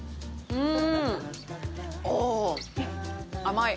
うん！